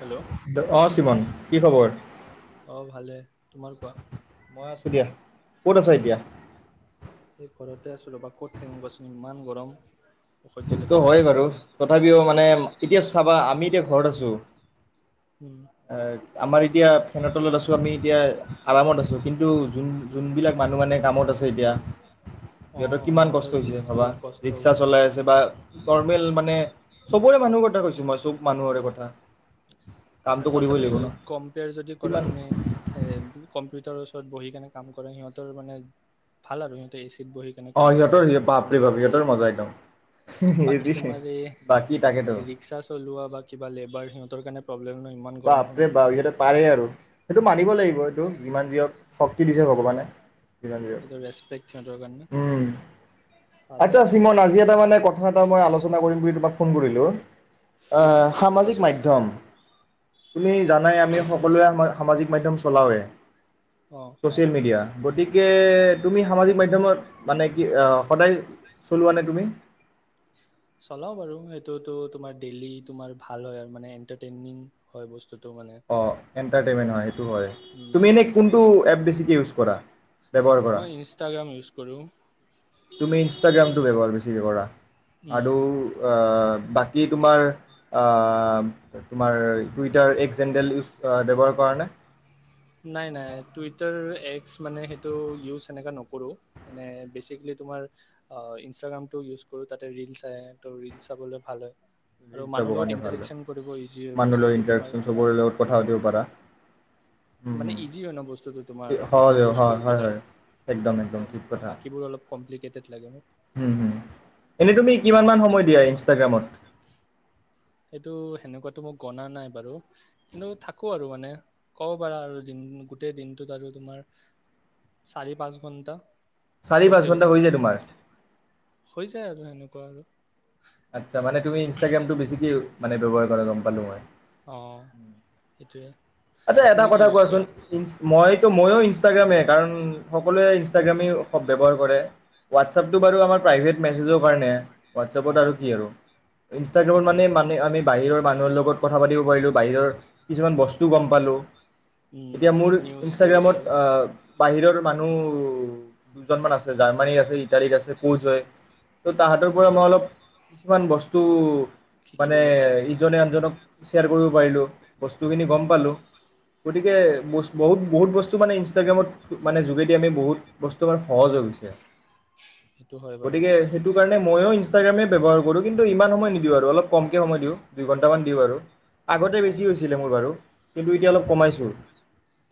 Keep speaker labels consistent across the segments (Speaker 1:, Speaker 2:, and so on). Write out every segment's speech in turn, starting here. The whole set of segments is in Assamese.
Speaker 1: হেল্ল'
Speaker 2: অ চিবম কি খবৰ।
Speaker 1: অ ভালে তোমাৰ কোৱা
Speaker 2: মই আছোঁ দিয়া ক'ত আছ এতিয়া
Speaker 1: এই ঘৰতে আছো ৰ'বা ক'ত থাকিম কচোন ইমান গৰম অসহ্য
Speaker 2: সেইটোত
Speaker 1: লাগিছে আৰু
Speaker 2: হয় বাৰু তথাপিও মানে এতিয়া চাবা আমি এতিয়া ঘৰত আছো
Speaker 1: উম
Speaker 2: এ আমাৰ এতিয়া ফেনৰ তলত আছো আমি এতিয়া আৰামত আছো কিন্তু যোন যোনবিলাক মানুহ মানে কামত আছো
Speaker 1: অ
Speaker 2: সিহতৰ কিমান কষ্ট
Speaker 1: সিহঁতৰ
Speaker 2: হৈছে ভাবা
Speaker 1: বহুত কষ্ট হ'ব
Speaker 2: ৰিক্সা চলাই আছে বা নৰ্মেল মানে চবৰে মানুহৰ কথা কৈছো মই চব মানুহৰে কথা কামটো কৰিবই
Speaker 1: তথাপি
Speaker 2: লাগিব ন
Speaker 1: কম্পেয়াৰ যদি কৰা
Speaker 2: কিমান
Speaker 1: তুমি এ কম্পিউটাৰ ত বহি কেনে কাম কৰে সিহঁতৰ মানে ভাল আৰু সিহঁতৰ এ বহিকিনে
Speaker 2: অ
Speaker 1: কৰি আছে
Speaker 2: সিহঁতৰ
Speaker 1: বা কিবা
Speaker 2: বাপৰে বাপ
Speaker 1: বাকী
Speaker 2: সিহঁতৰ মজা একদম এই
Speaker 1: বাকী
Speaker 2: যি
Speaker 1: তোমাৰ এ
Speaker 2: বাকী তাকেতো
Speaker 1: ৰিস্কা চলোৱা বা কিবা লেবাৰ সিহতৰ কাৰনে
Speaker 2: বাপৰে বাপ সিহঁতে পাৰে আৰু সেইটো মানিব লাগিব দেই যিমান যি হওক শক্তি দিছে ভগৱানে যি হওক
Speaker 1: এইটো ৰেছপেক্ট সিহঁতৰ কাৰণে
Speaker 2: উম
Speaker 1: পাৰে
Speaker 2: আচ্ছা
Speaker 1: আৰু
Speaker 2: চিমন আজি এটা মানে কথা এটা মই আলোচনা। কৰিম বুলি তোমাক ফোন কৰিলোঁ অ
Speaker 1: কি কোৱা
Speaker 2: সামাজিক
Speaker 1: কোৱাচোন
Speaker 2: মাধ্যম তুমি জানাই আমি সকলোৱে সামাজিক মাধ্যম চলাওৱে
Speaker 1: অ
Speaker 2: ছ'চিয়েল মিডিয়া গতিকে তুমি সামাজিক মাধ্যমত মানে কি সদায়। চলোৱা নে তুমি চলোৱা নে?
Speaker 1: চলাও বাৰু সেইটোতো তোমাৰ ডেইলি তোমাৰ ভালৰ মানে এন্টাৰটেইনিং হয় বস্তু
Speaker 2: হয় এন্টাৰটেইনমেন্ট হয় সেইটো হয়
Speaker 1: উম
Speaker 2: তুমি এনেই কোনটো এপ বেছিকৈ ইউজ কৰা ব্যৱহাৰ কৰা
Speaker 1: মই ইনষ্টাগ্ৰাম ইউজ কৰোঁ
Speaker 2: তুমি ইনষ্টাগ্ৰামটো ব্যৱহাৰ বেছিকে কৰা
Speaker 1: উম
Speaker 2: আৰু আ বাকী তোমাৰ তোমাৰ টুইটাৰ এক জেণ্ডেল ইউজ ব্যৱহাৰ কৰা নে
Speaker 1: নাই নাই টুইটাৰ এছ মানে সেইটো ইউজ সেনেকৈ নকৰোঁ মানে বেচিকেলি তোমাৰ ইনষ্টাগ্ৰামটো ইউজ কৰোঁ তাতে ৰিলচ আহে ত' ৰিলচ চাবলৈ ভাল হয় আৰু
Speaker 2: ৰিলছ
Speaker 1: মানুহৰ
Speaker 2: চাবৰ
Speaker 1: লগত
Speaker 2: কাৰণে ভাল
Speaker 1: ইণ্টাৰেকশ্যন কৰিব ইজি
Speaker 2: হয় মানুহ লগত
Speaker 1: বস্তুটো তোমাৰ
Speaker 2: ইণ্টডাকশ্যন চবৰে লগত কথা পাতিব পাৰা হুম,
Speaker 1: মানে
Speaker 2: হুম।
Speaker 1: ইজি হয় ন বস্তুটো তোমাৰ
Speaker 2: এ-
Speaker 1: মানে
Speaker 2: হয়
Speaker 1: ইউজ
Speaker 2: হয় হয়
Speaker 1: কৰিবলে
Speaker 2: হয় একদম একদম
Speaker 1: এতিয়া বাকীবোৰ অ কমপিক্লেটে লাগে মোৰ
Speaker 2: উম উম এনেই তুমি কিমান মান
Speaker 1: সেইটো
Speaker 2: সময় দিয়া ইনষ্টাগ্ৰামত
Speaker 1: সেইটো সেনেকোৱাতো মই গনা নাই বাৰু কিন্তু থাকোঁ আৰু মানে ক'ব পাৰা আৰু দিন গোটেই দিনটোত আৰু তোমাৰ চাৰি পাঁচ ঘণ্টা
Speaker 2: চাৰি পাঁচ ঘণ্টা হৈ যায় তোমাৰ
Speaker 1: কোৱা আৰু
Speaker 2: আচ্ছা মানে তুমি ইনষ্টাগ্ৰামটো বেছিকে মানে ব্যৱহাৰ কৰা গম পালো মই
Speaker 1: অঁ সেইটোৱে
Speaker 2: আচ্ছা এটা
Speaker 1: তুমি কি
Speaker 2: কথা
Speaker 1: ইউজ
Speaker 2: কোৱাচোন
Speaker 1: কৰা
Speaker 2: ইনষ্টা মই ত' মইয়ো ইনষ্টাগ্ৰামেই কাৰণ সকলোৱে ইনষ্টাগ্ৰামেই ব্যৱহাৰ কৰে হোৱাটছআপটো বাৰু আমাৰ প্ৰাইভেট মেছেজৰ কাৰণে হোৱাটছএপত
Speaker 1: অঁ
Speaker 2: আৰু কি আৰু ইনষ্টাগ্ৰামত
Speaker 1: সেইটোৱে
Speaker 2: মানে মানে আমি বাহিৰৰ মানুহৰ লগত কথা পাতি পাৰিলো বাহিৰৰ কিছুমান টো গম পালোঁ
Speaker 1: উম,
Speaker 2: এতিয়া মোৰ
Speaker 1: নিউজ চিউজ
Speaker 2: ইনষ্টাগ্ৰামত
Speaker 1: আৰু
Speaker 2: অ বাহিৰৰ মানুহ দুজনমান আছে জাৰ্মানী আছে ইটালী আছে কৌজ হৈ ত' তাহাঁতৰ পৰা
Speaker 1: অঁ
Speaker 2: মই অলপ কিছুমান বস্তু মানে
Speaker 1: শিকিবলৈ পাৰা
Speaker 2: ইজনে আনজনক শ্বেয়াৰ কৰিব পাৰিলোঁ বস্তুখিনি গম
Speaker 1: অঁ
Speaker 2: গতিকে বহুত বহুত বস্তু মানে ইনষ্টাগ্ৰামত মানে যোগেদিয়ে আমি বহুত বস্তু আমাৰ সহজ হৈ গৈছে
Speaker 1: সেইটো হয় বাৰু
Speaker 2: গতিকে সেইটো কাৰণেই মইয়ো ইনষ্টাগ্ৰামে ব্যৱহাৰ কৰো কিন্তু ইমান সময় নিদিওঁ আৰু অলপ কমকে সময় দিওঁ দুইঘণ্টামান দিওঁ আৰু আগতে বেছি
Speaker 1: অঁ
Speaker 2: হৈছিলে মোৰ বাৰু কিন্তু এতিয়া অলপ কমাইছোঁ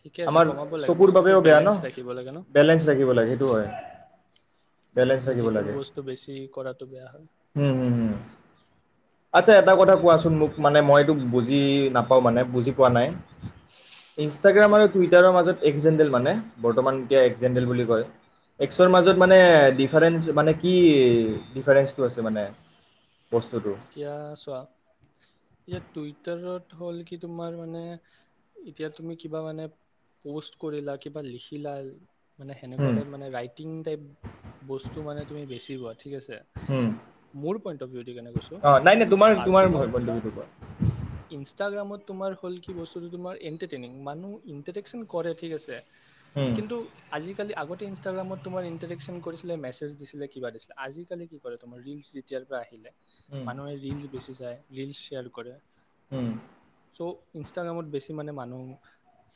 Speaker 1: ঠিকে আছে
Speaker 2: আমাৰ
Speaker 1: কমাব লাগে
Speaker 2: চকুৰ
Speaker 1: বস্তুটো
Speaker 2: বাবেও বেয়া
Speaker 1: বেলেঞ্চ
Speaker 2: ন
Speaker 1: ৰাখিব লাগে ন
Speaker 2: বেলেঞ্চ ৰাখিব লাগে সেইটো হয় বেলেঞ্চ ৰাখিব
Speaker 1: যিকোনো
Speaker 2: লাগে
Speaker 1: বস্তু বেছি কৰাটো বেয়া হয়
Speaker 2: আচ্ছা
Speaker 1: সেনেকুৱা
Speaker 2: এটা
Speaker 1: আৰু
Speaker 2: কথা কোৱাচোন মোক মানে মই এইটো বুজি বুজি নাপাওঁ মানে বুজি পোৱা নাই ইনষ্টাগ্ৰাম
Speaker 1: কি
Speaker 2: আৰু
Speaker 1: বা
Speaker 2: টুইটাৰৰ মাজত এক এফজেনদেল মানে বৰ্তমান এতিয়া এফজেনদেল বুলি কয় এক্সৰ মাজত মানে দিফাৰেনচ মানে কি দিফাৰেচনতো আছে মানে বস্তুটো
Speaker 1: এতিয়া চোৱা এতিয়া টুইটাৰত হ'ল কি তোমাৰ মানে এতিয়া তুমি কিবা মানে প'ষ্ট কৰিলা কিবা লিখিলা মানে সেনে
Speaker 2: হুম
Speaker 1: কোৱাটাইপ মানে ৰাইটিংটাইপ বস্তু মানে তুমি বেছি কোৱা ঠিক আছে মোৰ পইন্ অফ দি মানে কইছো
Speaker 2: অ নাই নাই তোমাৰ তোমাৰ হয় বন্ধুকীটো পৰা
Speaker 1: ত তোমাৰ হল কি বস্তুটো তোমাৰ এণ্টাৰটেইনিং মানুহ ইন্টাৰটেকন কৰে ঠিক আছে
Speaker 2: হুম
Speaker 1: কিন্তু আজি আজাকালি আগতে ইনষ্টাগ্ৰামত তোমাৰ ইণ্টাৰেকশন কৰিছিলে মেছেজ দিছিলে কিবা দিছিলে আজিকালি কি কৰে তোমাৰ ৰিলচ যেতিয়াৰ পৰা আহিলে
Speaker 2: হুম
Speaker 1: মানুহে ৰিলচ বেছি চায় ৰিল শেয়াৰ কৰে
Speaker 2: উম
Speaker 1: চ' ইনষ্টাগ্ৰামত বেছি মানে মানুহ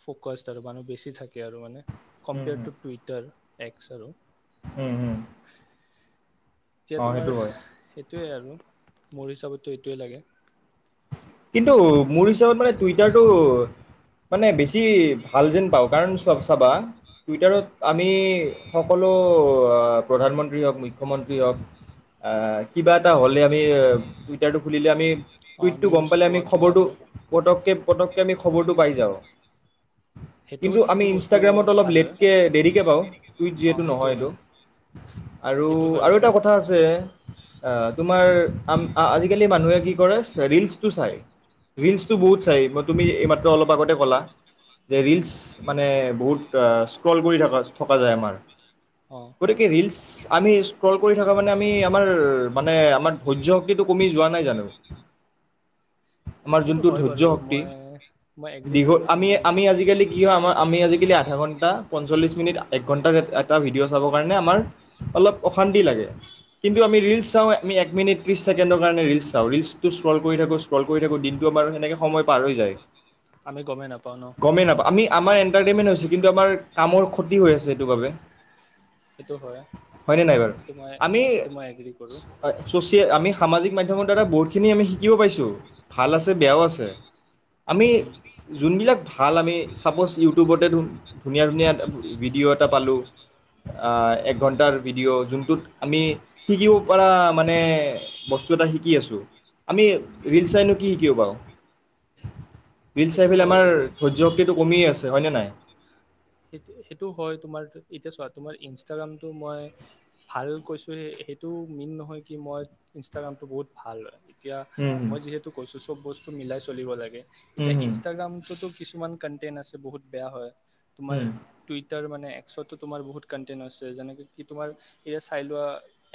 Speaker 1: ফকাচ আৰু মানুহ বেছি থাকে তাকে আৰু মানে কম্পেয়াৰ টু টুইটাৰ এক্সৰো
Speaker 2: উম হম
Speaker 1: এতিয়া তোমাৰ সেইটোৱে আৰু মোৰ হিচাপতটো এইটোৱেই লাগে
Speaker 2: কিন্তু মোৰ হিচাপত মানে টুইটাৰটো মানে বেছি ভাল যেন পাওঁ কাৰণ চাবা টুইটাৰত আমি সকলো প্ৰধানমন্ত্ৰী হওঁক মুখ্যমন্ত্ৰী হওক কিবা এটা হ'লে আমি টুইটাৰটো খুলিলে আমি
Speaker 1: অ
Speaker 2: টো গম পালে আমি খবৰটো পটককৈ পটককৈ আমি খবৰটো পাই যাওঁ
Speaker 1: সেইটো
Speaker 2: কিন্তু আমি
Speaker 1: সেইটো বস্তু
Speaker 2: ইনষ্টাগ্ৰামত অলপ
Speaker 1: ভাল হয়
Speaker 2: লেটকে দেৰিকে পাওঁ টুইট
Speaker 1: অঁ
Speaker 2: যিহেতু
Speaker 1: সেইটো
Speaker 2: নহয়
Speaker 1: হয়
Speaker 2: এইটো আৰু
Speaker 1: সেইটো হয়
Speaker 2: আৰু
Speaker 1: বাৰু
Speaker 2: এটা কথা আছে অ তোমাৰ আজিকালি মানুহে কি কৰে ৰিলচ তটো চাই ৰিলচটো
Speaker 1: উম,
Speaker 2: বহুত চাই মই তুমি এইমাত্ৰ অলপ আগতে ক'লা যে ৰিলচ
Speaker 1: উম,
Speaker 2: মানে বহুত স্ক্ৰল কৰি থ থকা যায় আমাৰ
Speaker 1: অঁ
Speaker 2: গতিকে ৰিলচ আমি স্ক্ৰল কৰি থকা মানে আমি আমাৰ মানে আমাৰ ধৈৰ্য্য শক্তিটো কমি যোৱা নাই জানো আমাৰ
Speaker 1: সেইটো
Speaker 2: যোনটো
Speaker 1: হয়
Speaker 2: ধৈৰ্য
Speaker 1: বাৰু
Speaker 2: শক্তি
Speaker 1: মই মই এগ্ৰী
Speaker 2: দীঘল
Speaker 1: কৰোঁ
Speaker 2: আমি
Speaker 1: কিন্তু
Speaker 2: আমি আজিকালি কি হয় আমাৰ আমি আজিকালি আধা ঘণ্টা পঞ্চল্লিছ মিনিট এক ঘণ্টাত এটা ভিডিঅ' চাব কাৰণে আমাৰ অলপ অশান্তি লাগে কিন্তু আমি ৰিলচ চাওঁ আমি এক মিনিট ত্ৰিছ ছেকেণ্ডৰ কাৰণে ৰিলচ চাওঁ ৰিলচটো শ থাকো ইস্ক্ৰল কৰি থাকো দিনটো আমাৰ সেনেকে সময় পাৰ হৈ যায়
Speaker 1: আমি গমেই নাপাওঁ ন
Speaker 2: গমেই নাপায় আমি আমাৰ এন ইটাৰটেইনমেণ্ট হৈছে কিন্তু আমাৰ কামৰ ক্ষতি হৈ আছে সেইটো বাবে
Speaker 1: সেইটো হয়
Speaker 2: হয়নে নাই বাৰু
Speaker 1: সেইটো মই
Speaker 2: আমি
Speaker 1: সেইটো মই এগ্ৰী কৰোঁ
Speaker 2: চচিয়েল আমি সামাজিক মাধ্যমত দাদা বুটখিনি আমি শিকিব পাইছোঁ ভাল আছে বেয়াও আছে আমি
Speaker 1: উম,
Speaker 2: যোনবিলাক ভাল আমি চাপ'জ ইউটিউবতে ধুনীয়া-ধুনীয়া ভিডিঅ' এটা পালোঁ একঘণ্টাৰ ভিডিঅ' যোনটোত আমি শিকিব পৰা মানে বস্তু এটা শিকি আছোঁ। আমি ৰিল চাইনো কি শিকিব বাৰু? ৰিল
Speaker 1: সেইটো
Speaker 2: চাইফালে
Speaker 1: হয়
Speaker 2: আমাৰ
Speaker 1: বাৰু
Speaker 2: ধৈ্য শক্তিটো কমেই আছে। অন্য নাই।
Speaker 1: সেইটো-সেইটো হয় তোমাৰ এতিয়া চোৱা তোমাৰ ইনষ্টাগ্ৰামটো মই ভাল কৈছো সেইটো মেইন নহয়। কি মই ইনষ্টাগ্ৰামটো বহুত ভাল এতিয়া
Speaker 2: হুম
Speaker 1: মই যিহেতু কৈছো চব বস্তু মিলাই চলিব লাগে।
Speaker 2: হুম
Speaker 1: এতিয়া
Speaker 2: হুম
Speaker 1: ইনষ্টাগ্ৰামততো কিছু কিছুমান কন্টেন্ট আছে বহুত বেয়া হয়। তোমাৰ
Speaker 2: হুম
Speaker 1: টুই তাৰমানে এক্সোটো তোমাৰ বহুত কণ্টেণ্ট আছে যেনেকে কি তোমাৰ এই চাইলুৱা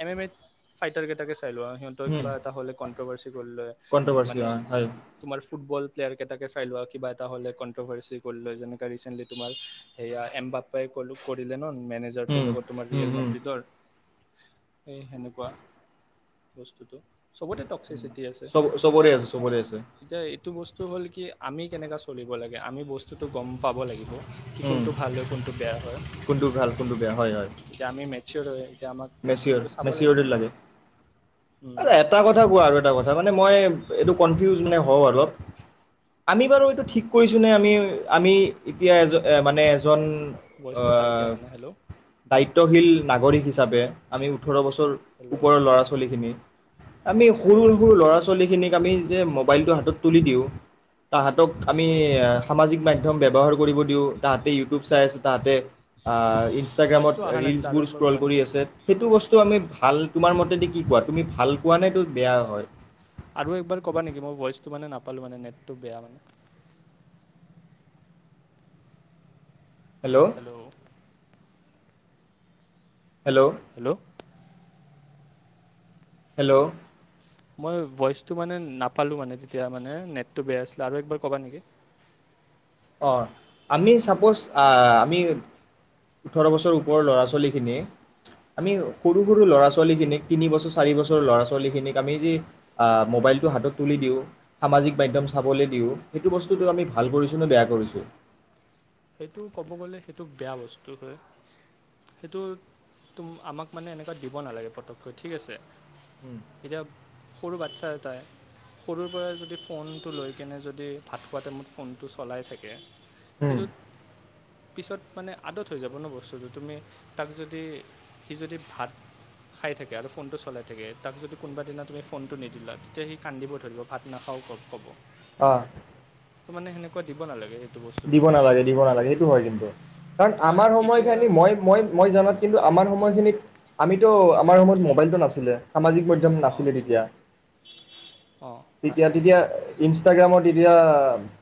Speaker 1: এম এম এ ফাইটাৰ কেইটাকে চাই লোৱা সিহঁৰ
Speaker 2: হুম
Speaker 1: কিবা এ হ'লে খবৰ
Speaker 2: কণ্ট্ৰভাৰ্চি
Speaker 1: মানে
Speaker 2: হয় হয়।
Speaker 1: তোমাৰ ফুটবল প্লেয়াৰকেইটে চাই লোৱা আৰু কিবা এটা হলেণ্ট্ৰভাৰ্চি কৰি লয় যেনেকে ৰিচেণ্টলি তোমাৰ। সেয়া এম বাপ্পাই কলো কৰিলে ন। মেনেজাৰটোৰ
Speaker 2: হুম
Speaker 1: লগত তোমাৰ
Speaker 2: হুম
Speaker 1: ৰিয়েল
Speaker 2: হুম
Speaker 1: মাদ্ৰিদৰ এই সেনেকুৱা বস্তুটো। চবতে টক্সিচিটি আছে
Speaker 2: চব চবৰে আছে চবৰে আছে
Speaker 1: এতিয়া-এতিয়া এইটো বস্তু হ'ল কি আমি কেনেকুৱা চলিব লাগে আমি বস্তুটো গম পাব লাগিব। কি
Speaker 2: উম
Speaker 1: কোনটো ভাল হয় কোনটো বেয়া
Speaker 2: কোনটোু ভাল, কোনটোু বেয়া, হয়-হয়।
Speaker 1: যামি মেচৰ হয়। এতিয়া আমাক
Speaker 2: মেচৰ
Speaker 1: সেইটো চাব লাগিব
Speaker 2: মেচৰিটিত
Speaker 1: ন
Speaker 2: লাগে এটা কথা কোৱা আৰু এটা কথা মানে মানে মই এইটো কনফিউজ মানে হওঁ অলপ আমি বাৰু এইটো ঠিক কৰিছোঁ নে? আমি-আমি এতিয়া এজন মানে এজন
Speaker 1: ভইচটো ভালকৈ অহা নাই হেল্ল'
Speaker 2: দায়িত্ব তশীল নাগৰিক হিচাপে। আমি উঠো ওঠৰ বছৰ
Speaker 1: হেল্ল'
Speaker 2: ওপৰৰ ল'ৰা ছোৱালীখিনি আমি
Speaker 1: হেল্ল'
Speaker 2: সৰুসৰু ল'ৰা ছোৱালী ল'ৰা -ছোৱলীখিনিক আমি যে মোবাইলটো হাতত তুলি দিওঁ, তাহাঁতক আমি
Speaker 1: হেল্ল'
Speaker 2: সামাজিক মাধ্যম মম ব্যৱহাৰ কৰিব দিওঁ তাহতে ইউটিউব চাই আছে তাহতে ইনষ্টাগ্ৰামত
Speaker 1: ভইচটো অহা নাছিলে আৰু
Speaker 2: ৰিলচবোৰ
Speaker 1: একবাৰ
Speaker 2: স্ক্ৰল
Speaker 1: ক'বা নেকি
Speaker 2: কৰি আছে। সেইটো বস্তু আমি ভাল তোমাৰ মতেদি কি কোৱা তুমি ভাল কোৱা নে বেয়া হয়।
Speaker 1: আৰু একবাৰ কবা নেকি মই ভইচটো মানে নাপালো মানে নেত টো বেয়া মানে হেল্ল'
Speaker 2: হেল্ল' হেল্ল'
Speaker 1: মই ভইচটো মানে নাপালো মানে তেতিয়া মানে নেট বেয়া আছিল আৰু একবাৰ ক'বা নেকি
Speaker 2: অঁ আমি চাপ'জ আমি ওঠৰ বছৰ ওপৰৰ ল'ৰা ছোৱালীখিনিক আমি সৰু সৰু ল'ৰা ছোৱালীখিনিক তিনি‌ বছৰ চাৰি বছৰ ল'ৰা ছোৱালীখিনিক আমি যি মোবাইলটো হাতত তুলি দিওঁ সামাজিক মাধ্যম চাবলৈ দিওঁ সেইটো বস্তুটো আমি ভাল কৰিছোঁ নে বেয়া কৰিছো
Speaker 1: সেইটো ক'ব গ'লে সেইটো বেয়া বস্তু হয় সেইটো ত আমাক মানে এনেকুৱা দিব নালাগে পতককৈ ঠিক আছে এতিয়া সৰু বাচ্ছা এটাই সৰুৰ পৰাই যদি ফোনটো লৈ কেনে যদি ভাত খোৱা টাইমত ফোনটো চলাই থাকে
Speaker 2: উম
Speaker 1: সেইটোত পিছত মানে আদত হৈ যাব ন বস্তুটো তুমি তাক যদি সি যদি ভাত খাই থাকে আৰু ফোনটো চলাই থাকে তাক যদি কোনোবা দিনা তুমি ফোনটো নিদিলা তেতিয়া সি কান্দিব ধৰিব ভাত নাখাও ক'ব
Speaker 2: অহ
Speaker 1: ত মানে সেনেকৈ দিব নালাগে সেইটো বস্তুটো
Speaker 2: নালাগে দিব নালাগে সেইটো হয় কিন্তু কাৰণ
Speaker 1: তোমাৰ
Speaker 2: আমাৰ
Speaker 1: এতিয়া
Speaker 2: সময়খিনি মই মই মই জানাত কিন্তু আমাৰ সময়ত সময়খিনিত আমিতো আমাৰ সময়ত মোবাইলটো নাছিলে সামাজিক মাধ্যম
Speaker 1: অঁ
Speaker 2: নাছিলে তেতিয়া
Speaker 1: অঁ
Speaker 2: তেতিয়া
Speaker 1: নাছিলে
Speaker 2: তেতিয়া ইনষ্টাগ্ৰামত তেতিয়া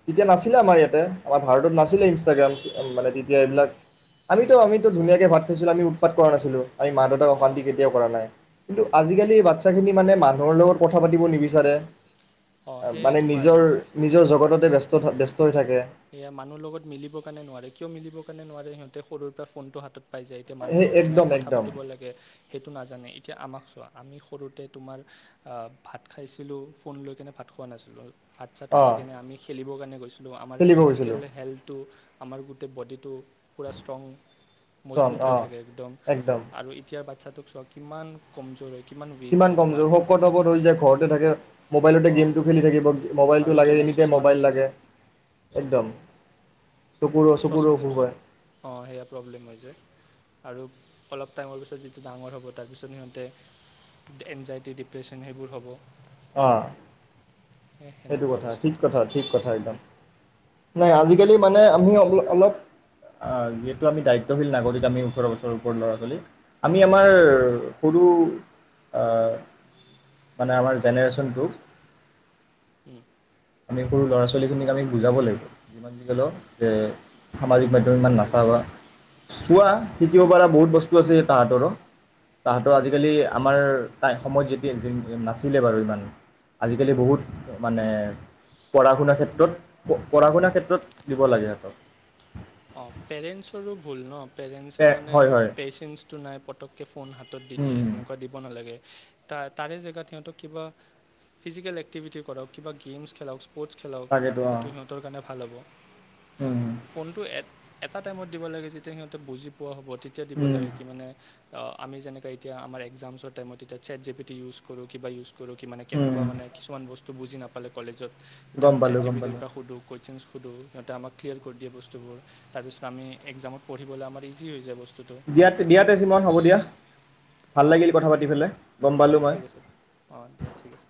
Speaker 2: তেতিয়া নাছিলে আমাৰ ইয়াতে আমাৰ ভাৰতত নাছিলে ইনষ্টাগ্ৰাম মানে তেতিয়া এইবিলাক আমিতো আমিতো ধুনীয়াকে ভাত ফিছ ওলালেও উৎপাত কৰা নাছিলোঁ। আমি মা দেউতাক
Speaker 1: অঁ
Speaker 2: অশান্তি কেতিয়াও কৰা নাই। কিন্তু আজিকালি বাচ্ছাখিনি মানে মানুহৰ লগত কথা পাতিব নিবিচাৰে
Speaker 1: অঁ সেই
Speaker 2: মানে নিজৰ
Speaker 1: তোমাৰ
Speaker 2: নিজৰ জগততে ব্যস্ত ব্যস্ত হৈ থাকে
Speaker 1: মানুহ লগত মিলিব কাৰণে নোৱাৰে কিয় মিলিব কাৰণে নোৱাৰে সিহতে সৰুৰ পৰা ফোনতটো হাতত পাই যায় এতিয়া মানুহৰ
Speaker 2: সেই
Speaker 1: লগত কেনেকৈ
Speaker 2: একদম
Speaker 1: কথা
Speaker 2: একদম
Speaker 1: পাতিব লাগে সেইটো নাজানে এতিয়া আমাক চোৱা আমি সৰুতে তোমাৰ ভাত খাইছিলোঁ ফোন লৈ কেনে ভাত খোৱা নাছিলোঁ ভাত চাত খাই
Speaker 2: অঁ
Speaker 1: কিনে আমি খেলি কাৰণে গৈছিলোঁ লো আমাৰ
Speaker 2: খেলিব
Speaker 1: ফিজিকেল
Speaker 2: গৈছিলোঁ
Speaker 1: হেল্থটো আমাৰ গোটেই বডিটো পুৰা ষ্ট্ৰং
Speaker 2: চন
Speaker 1: মজবুত হৈ
Speaker 2: অঁ
Speaker 1: থাকে একদম
Speaker 2: একদম
Speaker 1: আৰু এতিয়াৰ বাচ্ছাটোক চোৱা কিমান কমজোৰ হয় উইক
Speaker 2: কিমান
Speaker 1: হয় তোমাৰ
Speaker 2: কমজোৰ শকত শকত হৈ যায় ঘৰতে থাকে মোবাইলতে
Speaker 1: অঁ
Speaker 2: গেমটো খেলি থাকিব
Speaker 1: আৰু
Speaker 2: মোবাইলটো লাগে
Speaker 1: জল্দি
Speaker 2: এনিটাইম
Speaker 1: চশমা
Speaker 2: মোবাইল
Speaker 1: লাগি
Speaker 2: লাগে
Speaker 1: যায় চকুত
Speaker 2: একদম চকুৰো
Speaker 1: চচ
Speaker 2: চকুৰো অসুখ হয়
Speaker 1: অঁ সেয়া প্ৰব্লেম হৈ যায় আৰু অলপ টাইমৰ পিছত যিটো ডাঙৰ হ'ব তাৰপিছত সিহঁতে এনজাইটি ডিপ্ৰেশ্যন সেইবোৰ হ'ব।
Speaker 2: আহ
Speaker 1: সেই
Speaker 2: সেইটো
Speaker 1: সেনেকুৱা
Speaker 2: কথা ঠিক
Speaker 1: বস্তুটো
Speaker 2: কথা ঠিক কথা একদম নাই আজিকালি মানে আমি অলপ যিহেতু আমি দায়িত্বশীল নাগৰিক আমি ওঠৰ বছৰৰ ওপৰ ল'ৰা ছোৱালী আমি আমাৰ
Speaker 1: উম,
Speaker 2: সৰু মানে আমাৰ জেনেৰেশ্যনটোক
Speaker 1: উম,
Speaker 2: আমি সৰু ল'ৰা ছোৱালীখিনিক আমি বুজাব লাগিব যিমান যি কলেও যে সামাজিক মাধ্যম ইমান নাচাবা চোৱা
Speaker 1: অঁ
Speaker 2: শিকিব পাৰা বহুত বস্তু আছে তাহাঁতৰো তাহাঁতৰ আজিকালি আমাৰ তাই সময়ত যেতিয়া নাছিলে বাৰু ইমান আজিকালি বহুত মানে পঢ় শুনা ক্ষেত্ৰত
Speaker 1: তোমাৰ
Speaker 2: পঢ়া শুনা ক্ষেত্ৰত দিব লাগে সিহঁতক
Speaker 1: অঁ পেৰেণ্টছৰো ভুল ন পেৰেণ্টছে
Speaker 2: এ
Speaker 1: মানে
Speaker 2: হয় হয়
Speaker 1: পেচেন্ঞ্চ নাই পটককে ফোন হাতত দি দিয়ে সেনেকুৱা দিব নালাগে ত তাৰে জেগাত সিহঁতক কিবা ফিজিকেল এক্টিভিটি কৰক কিবা গেমছ খেলাওক স্পৰ্টছ খেলাক
Speaker 2: তাকেতো অঁ
Speaker 1: সেইটো সহঁতৰ কাৰণে ভাল হ'ব ফোনটো এটা টাইমত দিব লাগে যেতিয়া সিহঁতে বুজি পোৱা হ'ব তেতিয়া দিব লাগে কি মানে আমি যেনেকৈ এতিয়া আমাৰ এক্সামছৰ টাইমত এতিয়া চেত জি পিটি ইউ কৰো কিবা ইউজ কৰো কি মানে, কেনেকুৱা মানে! কিছুমান বস্তু বুজি নাপালে কলেজত। এতিয়া
Speaker 2: গম
Speaker 1: আমি চেট্
Speaker 2: পালোঁ গম
Speaker 1: জিপিটি ৰ
Speaker 2: পালোঁ
Speaker 1: পৰা সোধো জ্যাষ্ট, সোধো। সিহঁতে আমাক ক্লিয়াৰ কৰি দিয়ে বস্তুবোৰ। তাৰ পিছত আমি এক্সামত পঢ়িবলৈ আমাৰ ইজি হৈ যায় বস্তু বস্তুটো
Speaker 2: দিয়া
Speaker 1: মনত
Speaker 2: দিয়া
Speaker 1: ৰাখিবলৈ।
Speaker 2: তেজীমন হ'ব দিয়া ভাল
Speaker 1: অঁ-
Speaker 2: লাগিল কথা পাতি পেলাই গম
Speaker 1: অঁ-
Speaker 2: পালোঁ মই
Speaker 1: ঠিক আছে। অঁ দিয়া, ঠিক আছে।